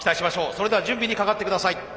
それでは準備にかかって下さい。